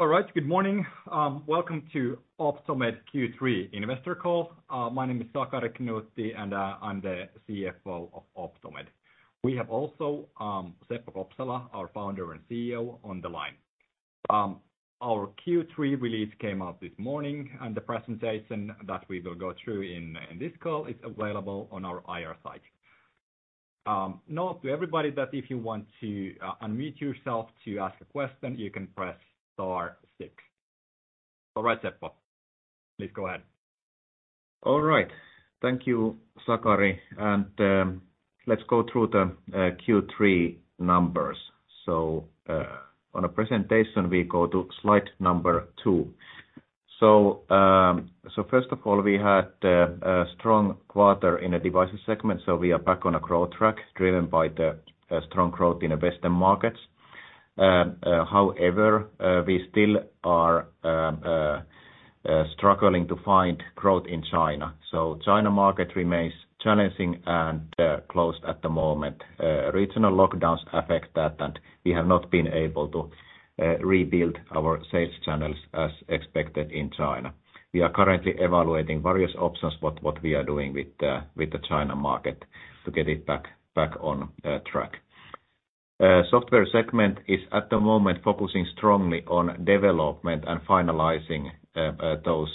All right. Good morning. Welcome to Optomed Q3 investor call. My name is Sakari Knuutti, and I'm the CFO of Optomed. We have also Seppo Kopsala, our Founder and CEO, on the line. Our Q3 release came out this morning, and the presentation that we will go through in this call is available on our IR site. Note to everybody that if you want to unmute yourself to ask a question, you can press star six. All right, Seppo, please go ahead. All right. Thank you, Sakari, and let's go through the Q3 numbers. In the presentation, we go to Slide 2. First of all, we had a strong quarter in the devices segment, so we are back on a growth track driven by the strong growth in the Western markets. However, we still are struggling to find growth in China. China market remains challenging and closed at the moment. Regional lockdowns affect that, and we have not been able to rebuild our sales channels as expected in China. We are currently evaluating various options, but what we are doing with the China market to get it back on track. Software segment is at the moment focusing strongly on development and finalizing those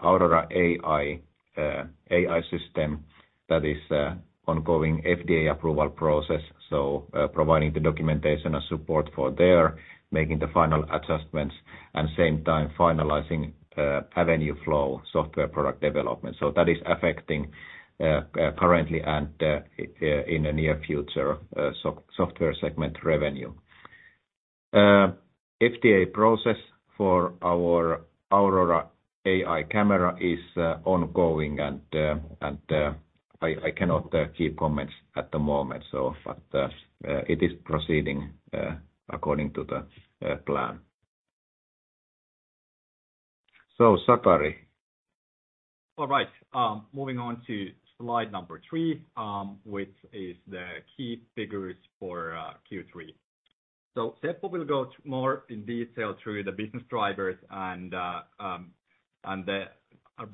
Aurora AEYE AI system that is ongoing FDA approval process. Providing the documentation and support for that, making the final adjustments, and at the same time finalizing Avenue Flow software product development. That is affecting currently and in the near future software segment revenue. FDA process for our Aurora AEYE camera is ongoing, and I cannot give comments at the moment, but it is proceeding according to the plan. Sakari. All right. Moving on to Slide 3, which is the key figures for Q3. Seppo will go to more in detail through the business drivers and the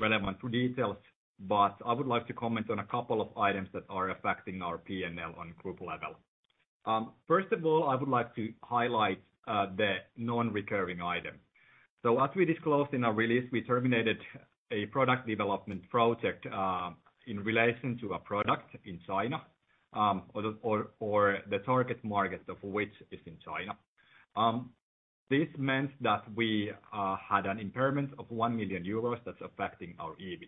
relevant details. I would like to comment on a couple of items that are affecting our P&L on group level. First of all, I would like to highlight the non-recurring item. As we disclosed in our release, we terminated a product development project in relation to a product in China, or the target market of which is in China. This meant that we had an impairment of 1 million euros that's affecting our EBIT.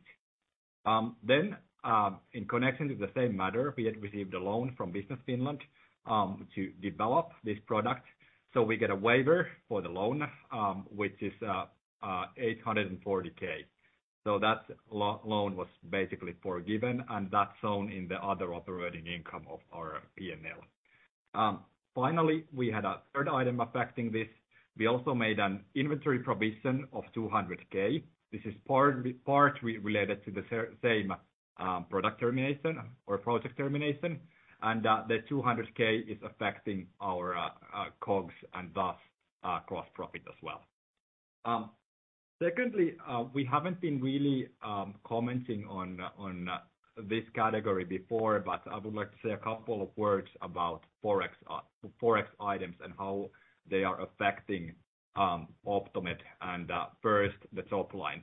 In connection to the same matter, we had received a loan from Business Finland to develop this product. We get a waiver for the loan, which is 840,000. That loan was basically forgiven, and that's shown in the other operating income of our P&L. Finally, we had a third item affecting this. We also made an inventory provision of 200,000. This is partly related to the same product termination or project termination, and the 200,000 is affecting our COGS and thus gross profit as well. Secondly, we haven't been really commenting on this category before, but I would like to say a couple of words about Forex items and how they are affecting Optomed and first the top line.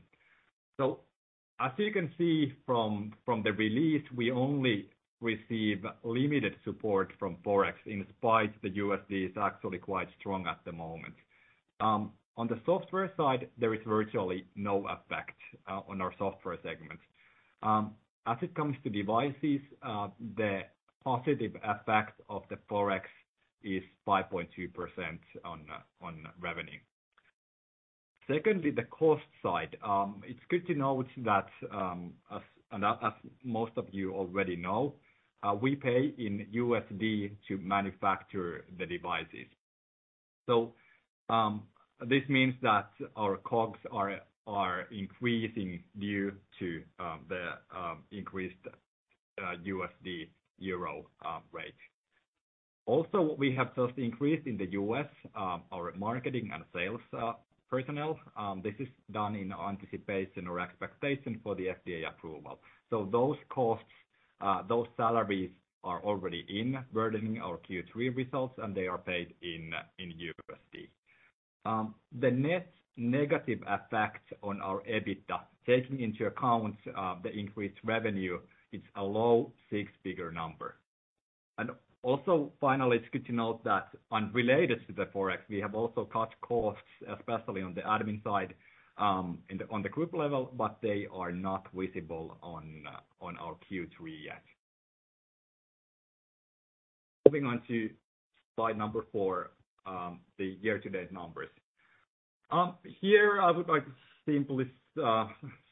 As you can see from the release, we only receive limited support from Forex in spite of the USD being actually quite strong at the moment. On the software side, there is virtually no effect on our software segment. As it comes to devices, the positive effect of the Forex is 5.2% on revenue. Secondly, the cost side. It's good to note that, as most of you already know, we pay in USD to manufacture the devices. This means that our COGS are increasing due to the increased USD-euro rate. Also, we have just increased in the U.S. our marketing and sales personnel. This is done in anticipation or expectation for the FDA approval. Those costs, those salaries are already burdening our Q3 results, and they are paid in USD. The net negative effect on our EBITDA, taking into account the increased revenue, is a low six-figure number. Also, finally, it's good to note that unrelated to the Forex, we have also cut costs, especially on the admin side, on the group level, but they are not visible on our Q3 yet. Moving on to Slide 4, the year-to-date numbers. Here I would like to simply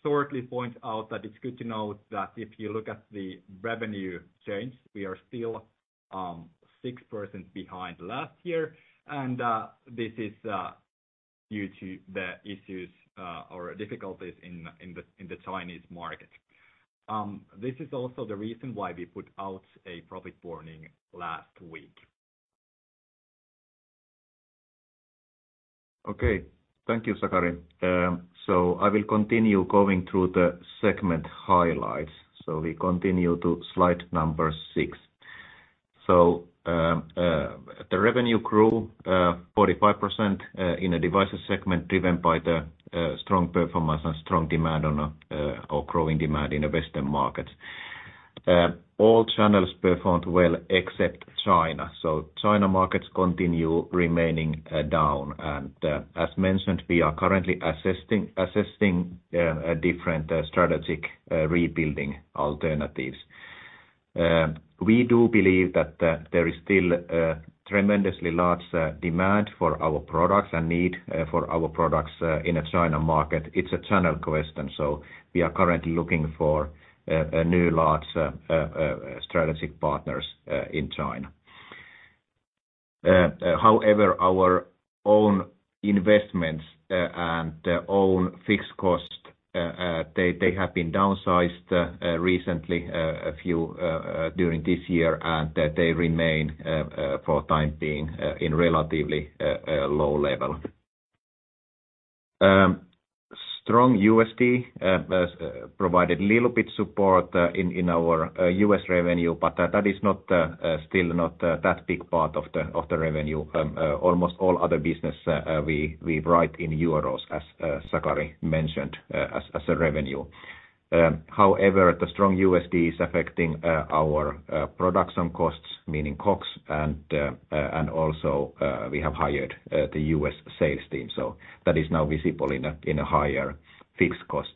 shortly point out that it's good to note that if you look at the revenue change, we are still 6% behind last year, and this is due to the issues or difficulties in the Chinese market. This is also the reason why we put out a profit warning last week. Okay. Thank you, Sakari. I will continue going through the segment highlights. We continue to Slide 6. The revenue grew 45% in the Devices segment, driven by the strong performance and strong demand or growing demand in the Western markets. All channels performed well except China. China markets continue remaining down. As mentioned, we are currently assessing different strategic rebuilding alternatives. We do believe that there is still a tremendously large demand for our products and need for our products in the China market. It's a channel question. We are currently looking for a new large strategic partners in China. However, our own investments and own fixed cost they have been downsized recently during this year, and they remain for time being in relatively low level. Strong USD has provided a little bit support in our U.S. revenue, but that is still not that big part of the revenue. Almost all other business we write in euros, as Sakari mentioned, as a revenue. However, the strong USD is affecting our production costs, meaning COGS and also we have hired the U.S. sales team. That is now visible in a higher fixed cost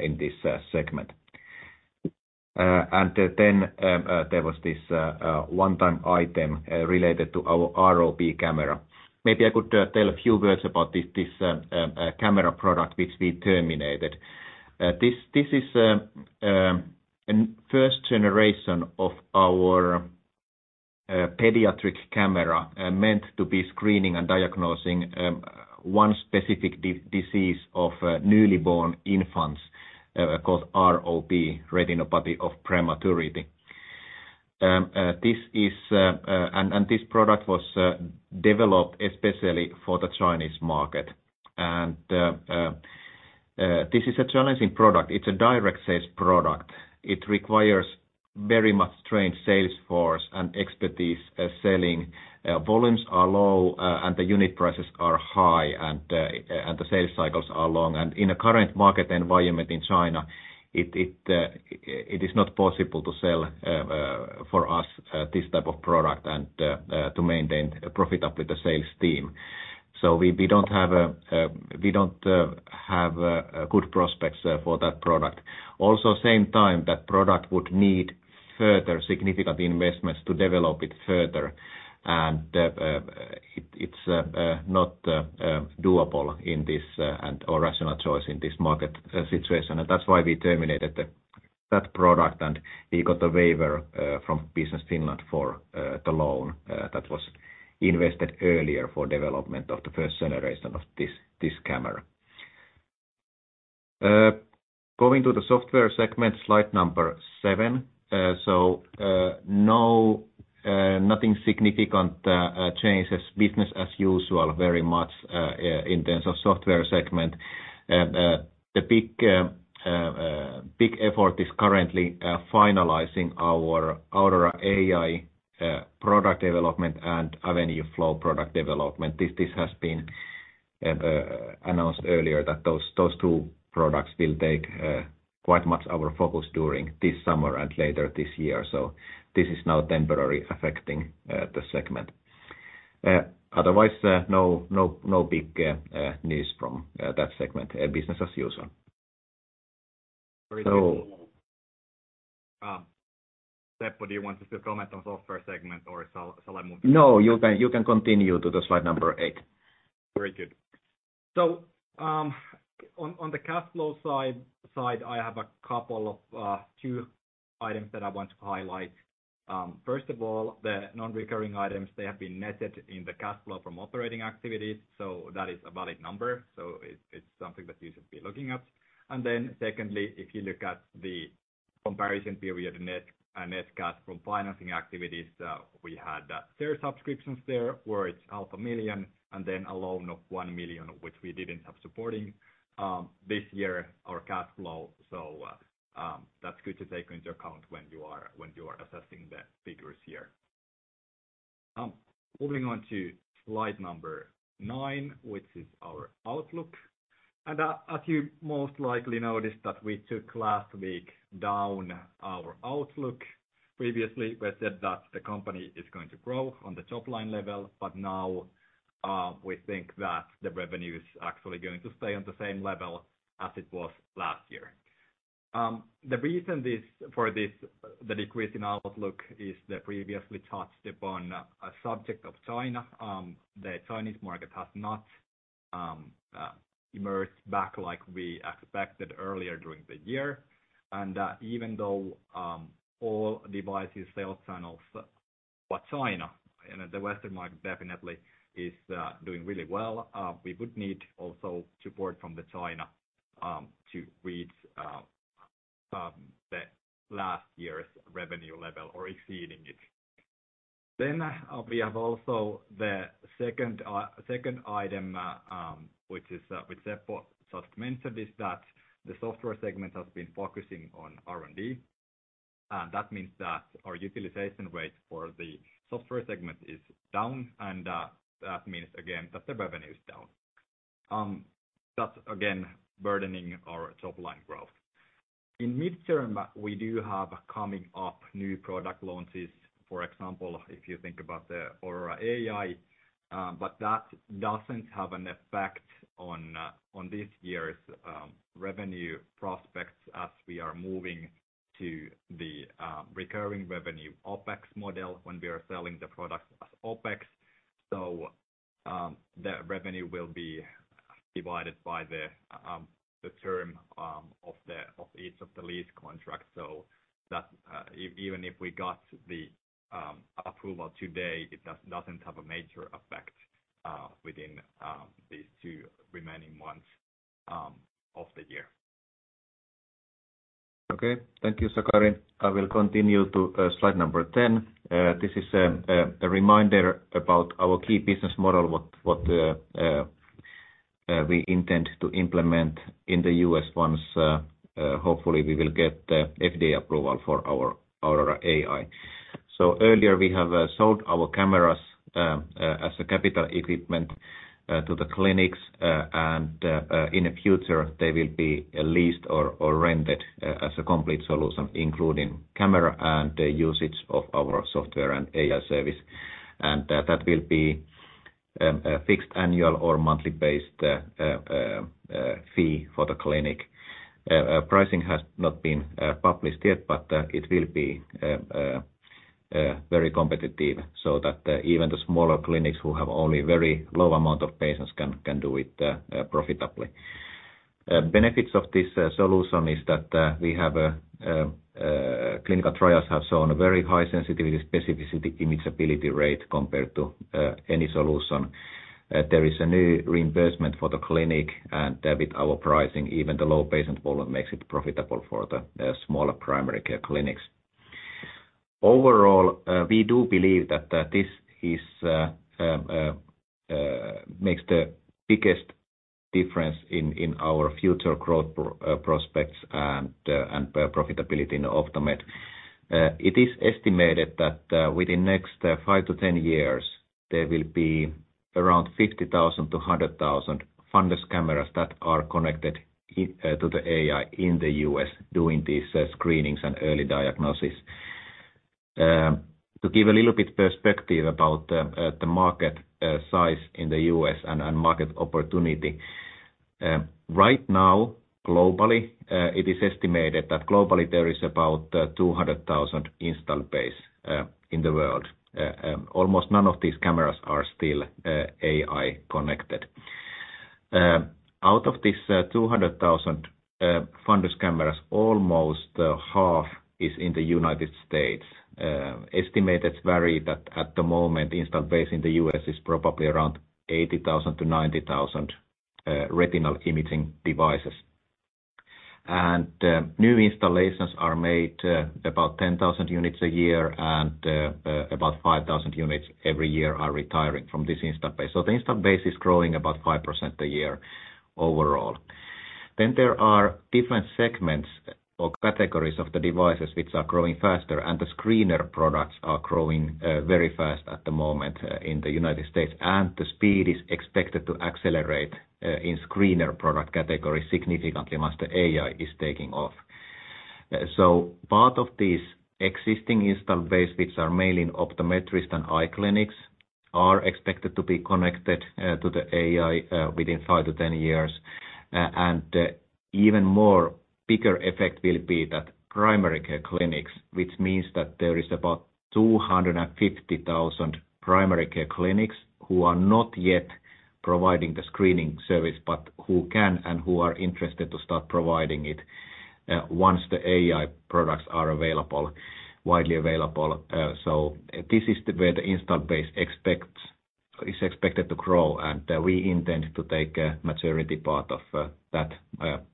in this segment. There was this one-time item related to our ROP camera. Maybe I could tell a few words about this camera product which we terminated. This is first generation of our pediatric camera meant to be screening and diagnosing one specific disease of newly born infants called ROP, retinopathy of prematurity. This product was developed especially for the Chinese market. This is a challenging product. It's a direct sales product. It requires very much trained sales force and expertise. Selling volumes are low, and the unit prices are high, and the sales cycles are long. In a current market environment in China, it is not possible for us to sell this type of product and to maintain profitability with the sales team. We don't have good prospects for that product. At the same time, that product would need further significant investments to develop it further. It's not a doable or rational choice in this market situation. That's why we terminated that product. We got a waiver from Business Finland for the loan that was invested earlier for development of the first generation of this camera. Going to the Software segment, Slide 7. Nothing significant changes. Business as usual, very much, in terms of Software segment. The big effort is currently finalizing our Aurora AI product development and Avenue Flow product development. This has been announced earlier that those two products will take quite much our focus during this summer and later this year. This is now temporary affecting the segment. Otherwise, no big news from that segment. Business as usual. Seppo, do you want to still comment on Software segment, or shall I move- No, you can continue to the Slide 8. Very good. On the cash flow side, I have a couple of two items that I want to highlight. First of all, the non-recurring items, they have been netted in the cash flow from operating activities, so that is a valid number. It's something that you should be looking at. Then secondly, if you look at the comparison period net cash from financing activities, we had that share subscriptions there, where it's 500,000, and then a loan of 1 million, which we didn't have supporting this year our cash flow. That's good to take into account when you are assessing the figures here. Moving on to Slide 9, which is our outlook. As you most likely noticed that we took last week down our outlook. Previously, we said that the company is going to grow on the top line level, but now, we think that the revenue is actually going to stay on the same level as it was last year. The reason is for this, the decrease in outlook is the previously touched upon subject of China. The Chinese market has not emerged back like we expected earlier during the year. Even though all devices sales channels but China and the Western market definitely is doing really well. We would need also support from the China to reach the last year's revenue level or exceeding it. We have also the second item, which Seppo just mentioned, is that the software segment has been focusing on R&D. That means that our utilization rate for the software segment is down, and that means again that the revenue is down. That's again burdening our top line growth. In midterm, we do have coming up new product launches, for example, if you think about the Aurora AI, but that doesn't have an effect on this year's revenue prospects as we are moving to the recurring revenue OpEx model when we are selling the product as OpEx. The revenue will be divided by the term of each of the lease contracts. That even if we got the approval today, it doesn't have a major effect within these two remaining months of the year. Okay. Thank you, Sakari. I will continue to Slide 10. This is a reminder about our key business model, what we intend to implement in the U.S. once hopefully we will get the FDA approval for our Aurora AI. Earlier we have sold our cameras as a capital equipment to the clinics and in the future, they will be leased or rented as a complete solution, including camera and the usage of our software and AI service. That will be a fixed annual or monthly based fee for the clinic. Pricing has not been published yet, but it will be very competitive so that even the smaller clinics who have only very low amount of patients can do it profitably. Benefits of this solution is that we have clinical trials have shown a very high sensitivity specificity imageability rate compared to any solution. There is a new reimbursement for the clinic, and with our pricing, even the low patient volume makes it profitable for the smaller primary care clinics. Overall, we do believe that this is makes the biggest difference in our future growth prospects and profitability in Optomed. It is estimated that within next 5-10 years, there will be around 50,000-100,000 fundus cameras that are connected to the AI in the U.S. doing these screenings and early diagnosis. To give a little bit perspective about the market size in the U.S. and market opportunity. Right now, globally, it is estimated that globally there is about 200,000 installed base in the world. Almost none of these cameras are still AI connected. Out of these 200,000 fundus cameras, almost half is in the United States. Estimates vary that at the moment, installed base in the U.S. is probably around 80,000-90,000 retinal imaging devices. New installations are made about 10,000 units a year, and about 5,000 units every year are retiring from this installed base. The installed base is growing about 5% a year overall. There are different segments or categories of the devices which are growing faster, and the screener products are growing very fast at the moment in the United States, and the speed is expected to accelerate in screener product category significantly once the AI is taking off. Part of these existing installed base, which are mainly optometrists and eye clinics, are expected to be connected to the AI within 5-10 years. Even more bigger effect will be that primary care clinics, which means that there is about 250,000 primary care clinics who are not yet providing the screening service, but who can and who are interested to start providing it once the AI products are available, widely available. This is the way the installed base is expected to grow, and we intend to take a majority part of that market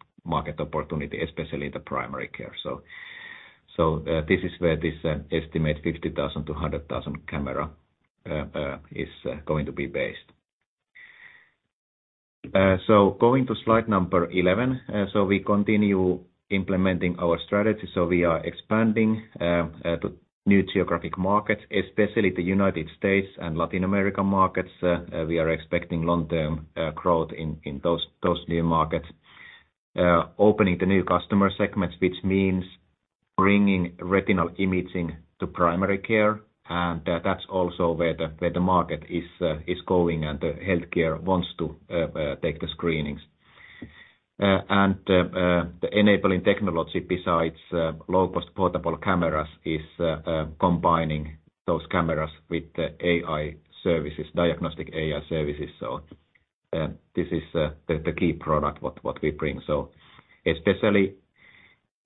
opportunity, especially the primary care. This is where this estimate 50,000-100,000 cameras is going to be based. Going to Slide 11. We continue implementing our strategy. We are expanding to new geographic markets, especially the United States and Latin America markets. We are expecting long-term growth in those new markets. Opening the new customer segments, which means bringing retinal imaging to primary care. That's also where the market is going and the healthcare wants to take the screenings. The enabling technology besides low-cost portable cameras is combining those cameras with the AI services, diagnostic AI services. This is the key product what we bring. Especially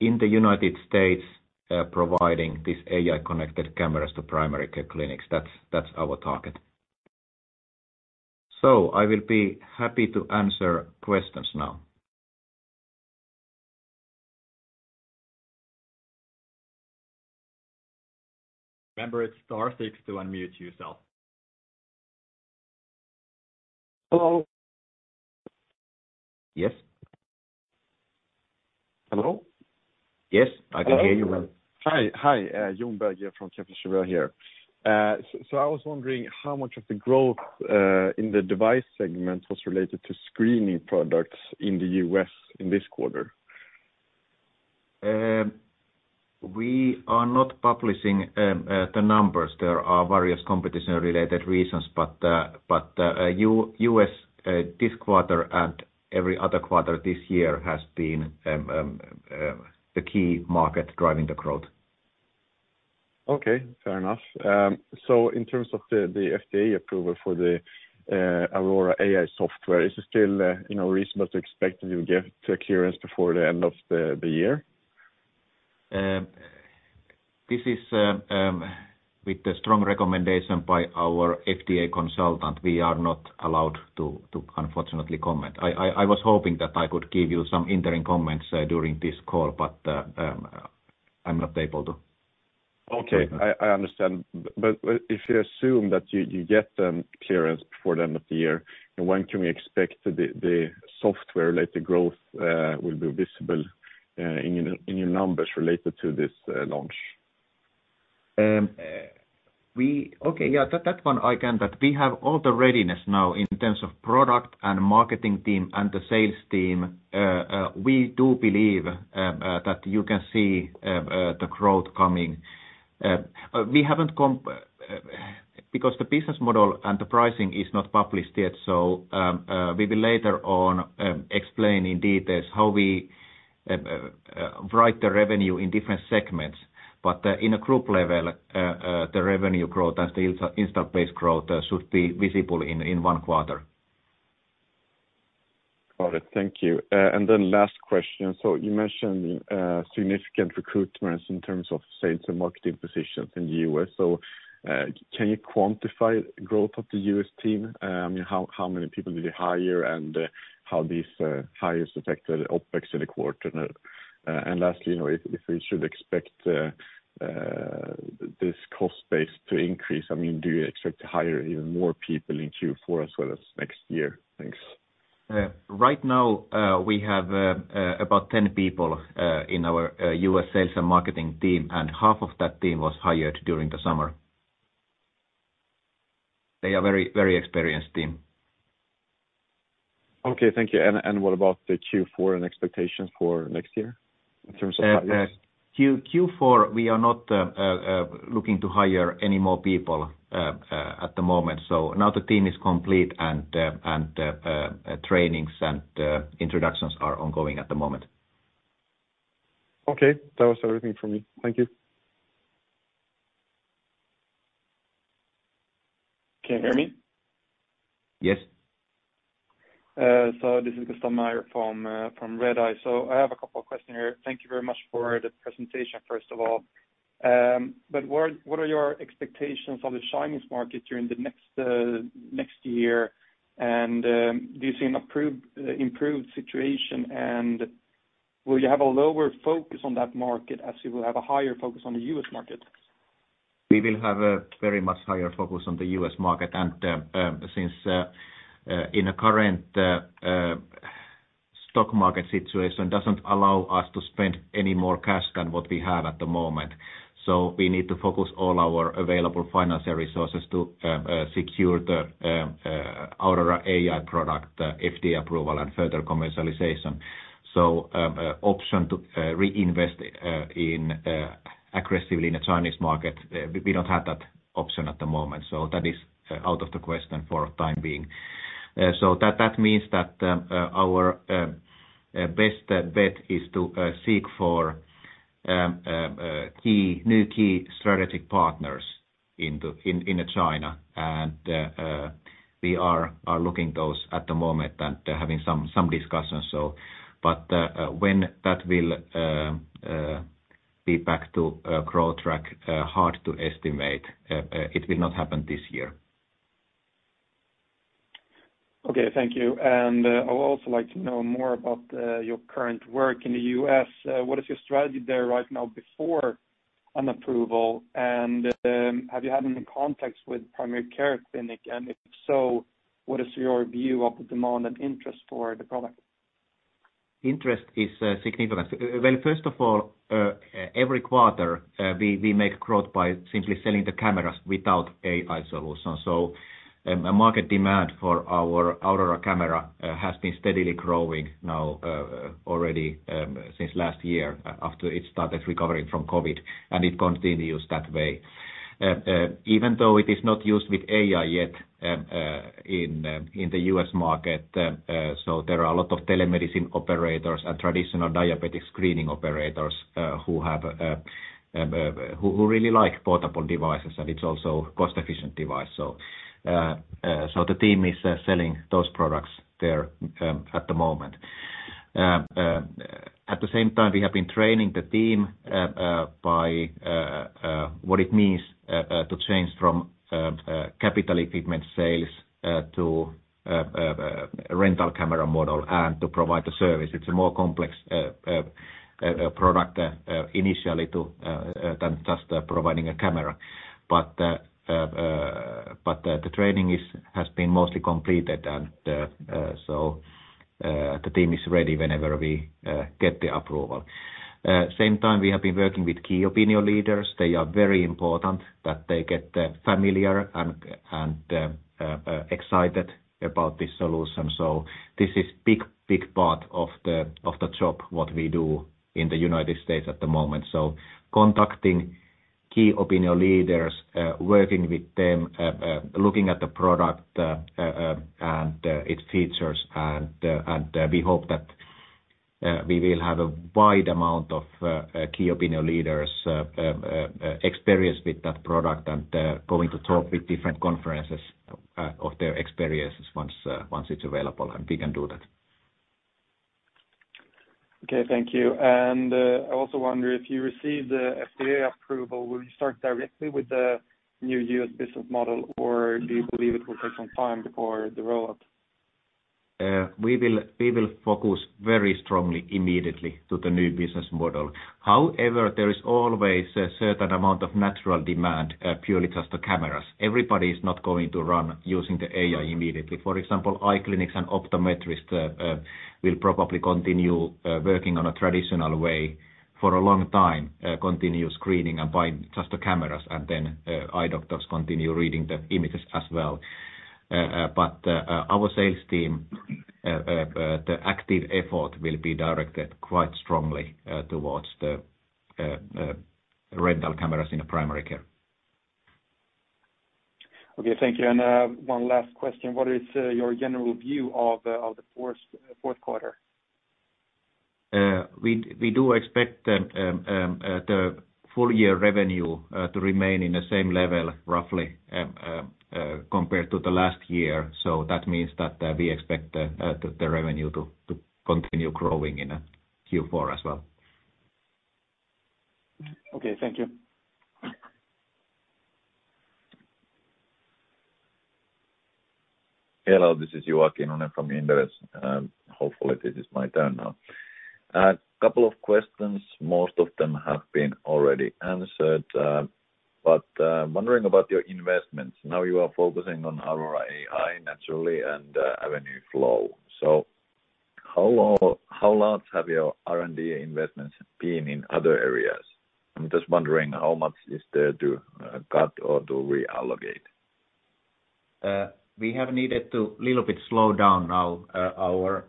in the United States, providing this AI-connected cameras to primary care clinics, that's our target. I will be happy to answer questions now. Remember, it's star six to unmute yourself. Hello. Yes. Hello? Yes. I can hear you well. Hi. Hi. Jon Berggren from Kepler Cheuvreux. I was wondering how much growth in the Devices Segment, is related to screening products in the U.S. in this quarter? We are not publishing the numbers, there are various competition related reasons, but U.S. this quarter and every other quarter this year has been the key market driving the growth. Okay, fair enough. In terms of the FDA approval for the Aurora AI software, is it still reasonable to expect that you'll get the clearance before the end of the year? This is with the strong recommendation by our FDA consultant. We are not allowed to, unfortunately, comment. I was hoping that I could give you some interim comments during this call, but I'm not able to. Okay. I understand. If you assume that you get clearance before the end of the year, when can we expect the software-related growth will be visible in your numbers related to this launch? Okay. Yeah. That one I can. That we have all the readiness now in terms of product and marketing team and the sales team. We do believe that you can see the growth coming. Because the business model and the pricing is not published yet, we will later on explain in detail how we write the revenue in different segments. In a group level, the revenue growth and the installed base growth should be visible in one quarter. Got it. Thank you. Last question. You mentioned significant recruitments in terms of sales and marketing positions in the U.S. Can you quantify growth of the U.S. team? How many people did you hire, and how these hires affected OpEx in the quarter? And lastly, you know, if we should expect this cost base to increase. I mean, do you expect to hire even more people in Q4 as well as next year? Thanks. Right now, we have about 10 people in our U.S. sales and marketing team, and half of that team was hired during the summer. They are very, very experienced team. Okay, thank you. What about the Q4 and expectations for next year in terms of hires? Q4, we are not looking to hire any more people at the moment. Now the team is complete and trainings and introductions are ongoing at the moment. Okay. That was everything from me. Thank you. Can you hear me? Yes. This is Gustaf Meyer from Redeye. I have a couple of questions here. Thank you very much for the presentation, first of all. What are your expectations for the Chinese market during the next year? And do you see an improved situation and would you have a lower focus on that market, as you have a higher focus on the U.S. market? We will have a very much higher focus on the U.S. market because the current stock market situation doesn't allow us to spend any more cash than what we have at the moment. So we need to focus all our available financial resources to secure the Aurora AI product if the approval and further commercialization. So the option to reinvest aggressively in the Chinese market will be a hard option at the moment. So that is how to present for the time being. So that means that our best bet is to seek for key strategic partners in China, and we are looking at those at the moment and having some discussions. But when that will be back to grow track, it's hard to estimate. It will not happen this year. Okay, thank you. And I would also like to know more about your current work in the U.S. What is the strategy there right now before approval, and have you had any contact with the primary care clinics? So what is your view of the demand interest for the product? This interest is significant. Well, first of all, every quarter, we make growth by simply selling the cameras without AI solution. A market demand for our Aurora camera has been steadily growing now, already, since last year after it started recovering from COVID, and it continues that way. Even though it is not used with AI yet, in the U.S. market, there are a lot of telemedicine operators and traditional diabetic screening operators, who really like portable devices, and it's also cost-efficient device. The team is selling those products there, at the moment. At the same time, we have been training the team by what it means to change from capital equipment sales to rental camera model and to provide the service. It's a more complex product initially, too, than just providing a camera. The training has been mostly completed and so the team is ready whenever we get the approval. Same time, we have been working with key opinion leaders. They are very important that they get familiar and excited about this solution. This is big part of the job what we do in the United States at the moment. Contacting key opinion leaders, working with them, looking at the product, and its features. We hope that we will have a wide amount of key opinion leaders' experience with that product, and they're going to talk with different conferences of their experiences once it's available, and we can do that. Okay. Thank you. I also wonder, if you receive the FDA approval, will you start directly with the new U.S. business model, or do you believe it will take some time before the rollout? We will focus very strongly immediately to the new business model. However, there is always a certain amount of natural demand, purely just the cameras. Everybody is not going to run using the AI immediately. For example, eye clinics and optometrists will probably continue working on a traditional way for a long time, continue screening and buying just the cameras, and then eye doctors continue reading the images as well. Our sales team the active effort will be directed quite strongly towards the rental cameras in a primary care. Okay. Thank you. One last question. What is your general view of the fourth quarter? We do expect the full year revenue to remain in the same level, roughly, compared to the last year. That means that we expect the revenue to continue growing in Q4 as well. Okay. Thank you. Hello, this is Joakim from Inderes. Hopefully this is my turn now. A couple of questions. Most of them have been already answered, but wondering about your investments. Now you are focusing on Aurora AI, naturally, and Avenue Flow. How large have your R&D investments been in other areas? I'm just wondering how much is there to cut or to reallocate. We have needed to little bit slow down on our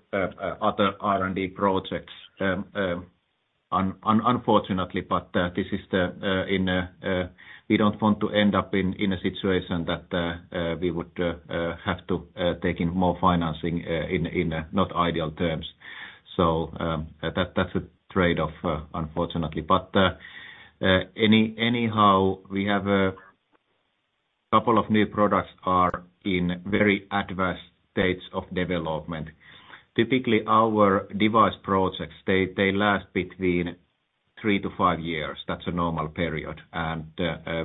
other R&D projects, unfortunately. We don't want to end up in a situation that we would have to take on more financing in not ideal terms. That's a trade-off, unfortunately. Anyhow, we have a couple of new products are in very advanced states of development. Typically, our device projects, they last between 3-5 years. That's a normal period.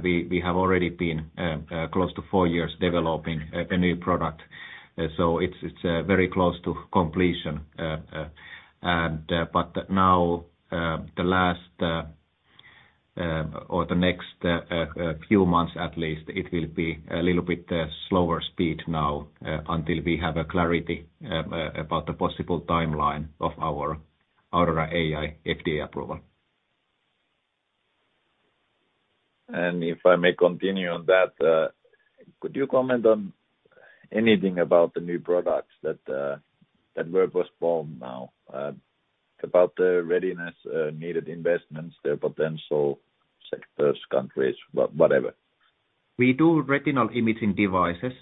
We have already been close to 4 years developing a new product. It's very close to completion. Now, the next few months at least, it will be a little bit slower speed now until we have clarity about the possible timeline of our Aurora AI FDA approval. If I may continue on that, could you comment on anything about the new products that we're working on now, about the readiness, needed investments, their potential sectors, countries, whatever? We do retinal imaging devices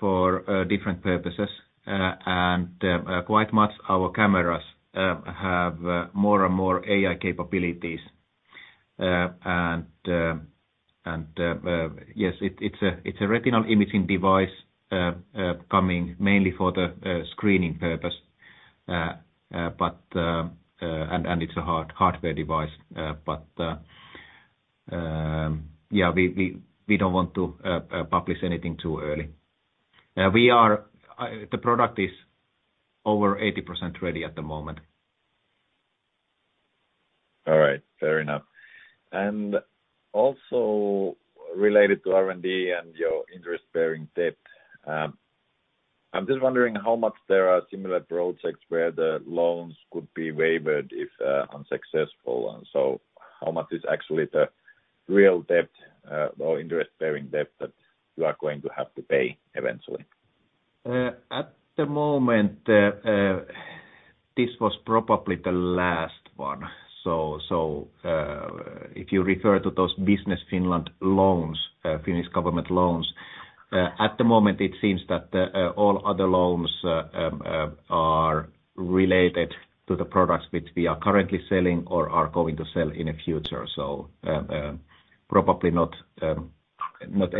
for different purposes. Quite much our cameras have more and more AI capabilities. Yes, it's a retinal imaging device coming mainly for the screening purpose. It's a handheld hardware device. Yeah, we don't want to publish anything too early. The product is over 80% ready at the moment. All right, fair enough. Also related to R&D and your interest-bearing debt, I'm just wondering how much there are similar projects where the loans could be waived if unsuccessful. How much is actually the real debt, or interest-bearing debt that you are going to have to pay eventually? At the moment, this was probably the last one. If you refer to those Business Finland loans, Finnish government loans, at the moment it seems that all other loans are related to the products which we are currently selling or are going to sell in the future. Probably not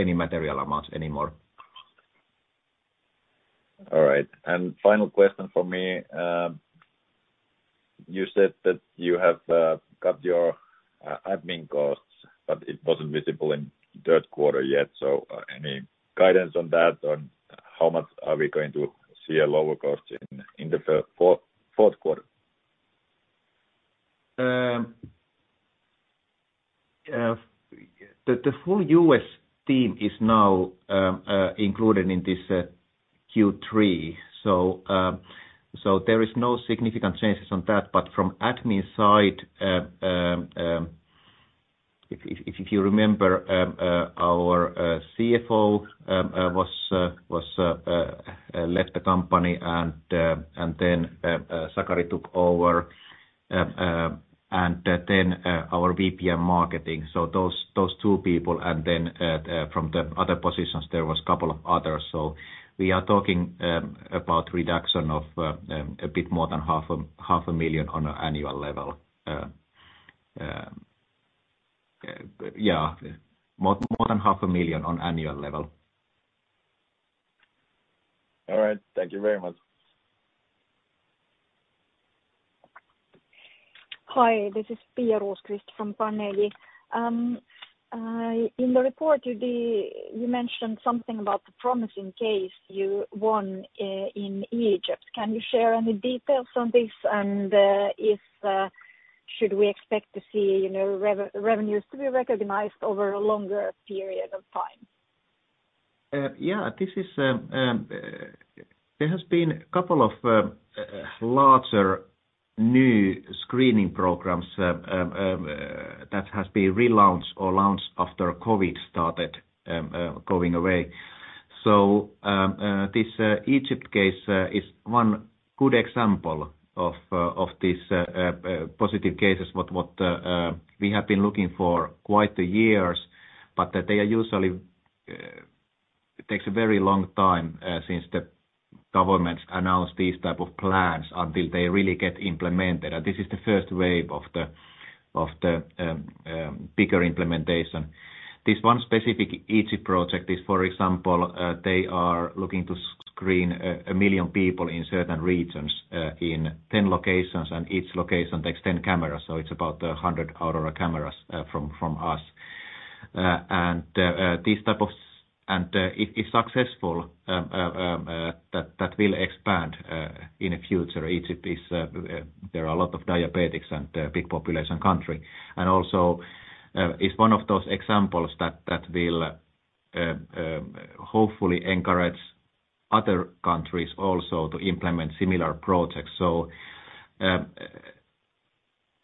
any material amounts anymore. All right. Final question for me. You said that you have cut your admin costs, but it wasn't visible in third quarter yet. Any guidance on that, on how much are we going to see a lower cost in the fourth quarter? The full U.S. team is now included in this Q3, so there is no significant changes on that. From admin side, if you remember, our CFO was left the company and then Sakari took over, and then our VP of Marketing. Those two people. From the other positions, there was a couple of others. We are talking about reduction of a bit more than 500,000 on an annual level. Yeah, more than 500,000 on annual level. All right. Thank you very much. Hi, this is Pia Rosqvist-Heinsalmi from Carnegie. In the report you did, you mentioned something about the promising case you won in Egypt. Can you share any details on this? Should we expect to see, you know, revenues to be recognized over a longer period of time? There has been a couple of larger new screening programs that has been relaunched or launched after COVID started going away. This Egypt case is one good example of these positive cases what we have been looking for quite the years, but that they are usually takes a very long time since the governments announce these type of plans until they really get implemented. This is the first wave of the bigger implementation. This one specific Egypt project is, for example, they are looking to screen 1 million people in certain regions in 10 locations, and each location takes 10 cameras. It's about 100 Aurora cameras from us. If it's successful, that will expand in the future. Egypt. There are a lot of diabetics and a big population country. Also, it's one of those examples that will hopefully encourage other countries also to implement similar projects.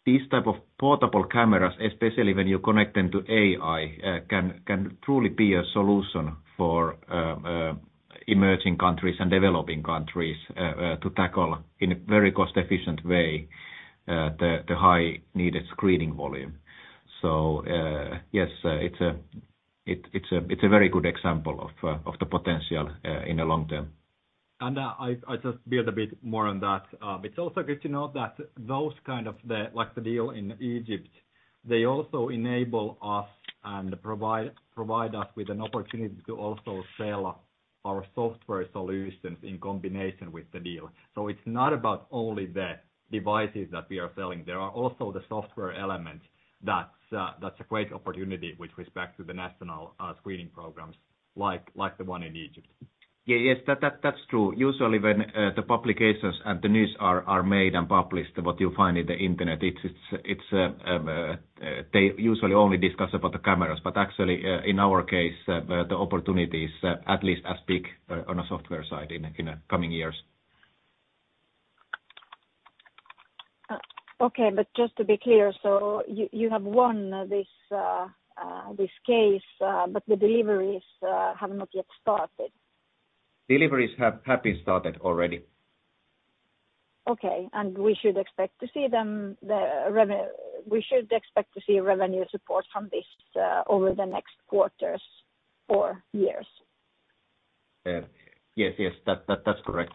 These type of portable cameras, especially when you connect them to AI, can truly be a solution for emerging countries and developing countries to tackle in a very cost efficient way the highly needed screening volume. Yes, it's a very good example of the potential in the long term. I just build a bit more on that. It's also good to note that those kind of like the deal in Egypt, they also enable us and provide us with an opportunity to also sell our software solutions in combination with the deal. It's not about only the devices that we are selling. There are also the software elements that's a great opportunity with respect to the national screening programs like the one in Egypt. Yeah. Yes. That's true. Usually when the publications and the news are made and published, what you find on the internet is, they usually only discuss about the cameras, but actually, in our case, the opportunity is at least as big on a software side in the coming years. Okay. Just to be clear, so you have won this case, but the deliveries have not yet started. Deliveries have been started already. We should expect to see revenue support from this over the next quarters or years. Yeah. Yes. That's correct.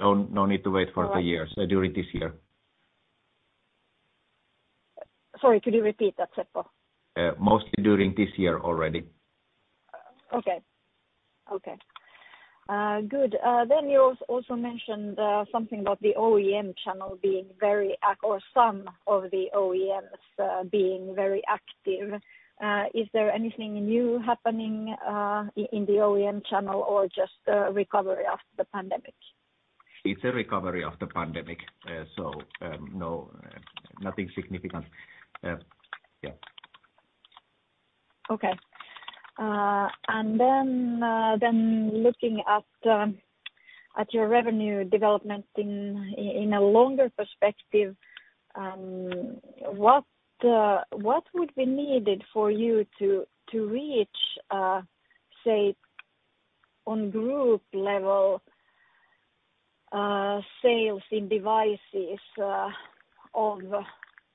No need to wait for the years. All right. During this year. Sorry, could you repeat that, Seppo? Mostly during this year already. Okay. Good. You also mentioned something about the OEM channel being very or some of the OEMs being very active. Is there anything new happening in the OEM channel or just a recovery of the pandemic? It's a recovery of the pandemic. No, nothing significant. Yeah. Okay. Looking at your revenue development in a longer perspective, what would be needed for you to reach, say on group level sales in devices of,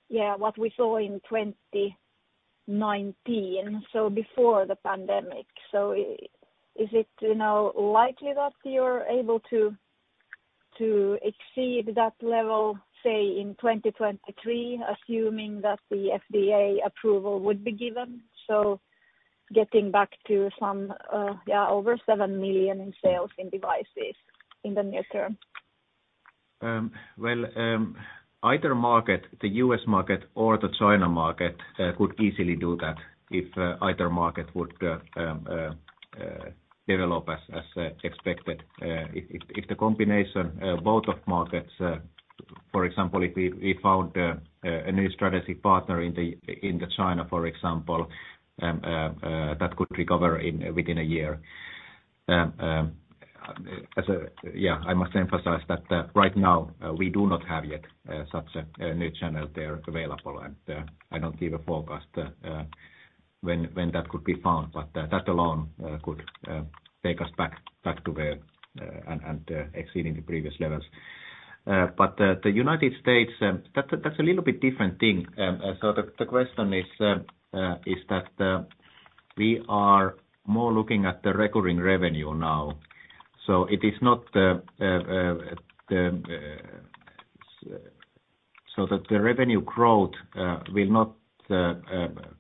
yeah, what we saw in 2019, so before the pandemic. Is it, you know, likely that you're able to exceed that level, say in 2023 assuming that the FDA approval would be given, so getting back to some, yeah, over 7 million in sales in devices in the near term? Well, either market, the U.S. market or the China market, could easily do that if either market would develop as expected. If the combination both of markets, for example, if we found a new strategic partner in the China, for example, that could recover within a year. Yeah, I must emphasize that right now we do not have yet such a new channel there available, and I don't give a forecast when that could be found. That alone could take us back to where and exceeding the previous levels. The United States, that's a little bit different thing. The question is that we are more looking at the recurring revenue now. It is not that the revenue growth will not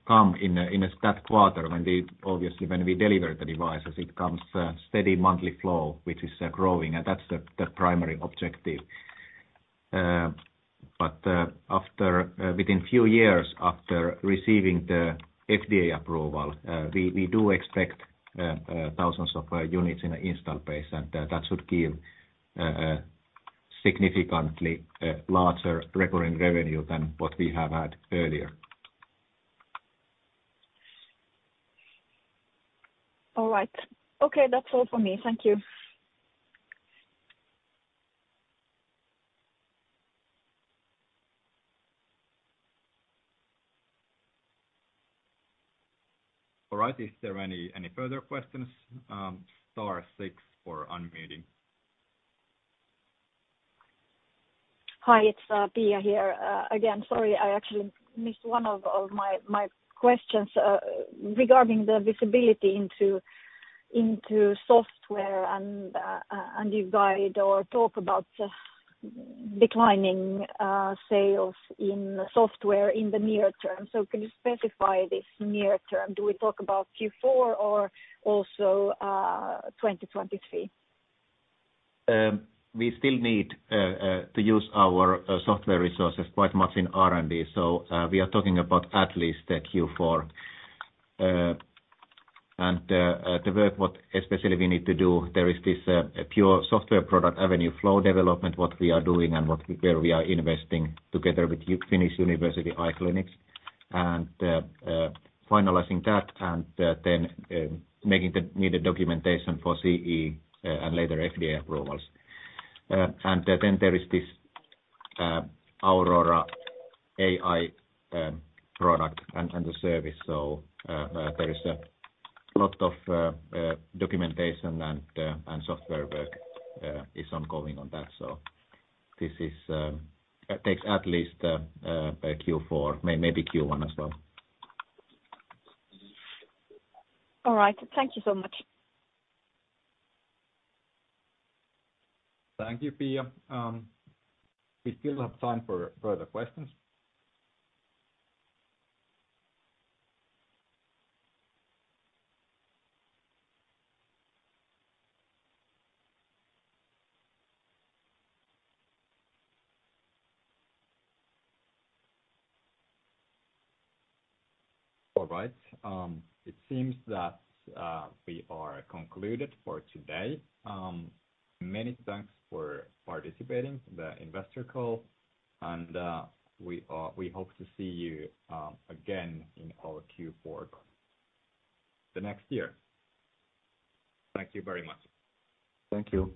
come in a static quarter. Obviously, when we deliver the devices, it comes steady monthly flow, which is growing, and that's the primary objective. Within a few years after receiving the FDA approval, we do expect thousands of units in the installed base, and that should give significantly a larger recurring revenue than what we have had earlier. All right. Okay, that's all for me. Thank you. All right. Is there any further questions? star six for unmuting. Hi, it's Pia here. Again, sorry, I actually missed one of my questions regarding the visibility into software and you guide or talk about the declining sales in software in the near term. Can you specify this near term? Do we talk about Q4 or also 2023? We still need to use our software resources quite much in R&D. We are talking about at least Q4. The work what especially we need to do there is this pure software product Avenue Flow development, what we are doing and where we are investing together with Finnish University Eye Clinics, finalizing that and then making the needed documentation for CE and later FDA approvals. Then there is this Aurora AI product and the service. There is a lot of documentation and software work is ongoing on that. This takes at least Q4, maybe Q1 as well. All right. Thank you so much. Thank you, Pia. We still have time for further questions. All right. It seems that we are concluded for today. Many thanks for participating in the investor call, and we hope to see you again in our Q4 next year. Thank you very much. Thank you.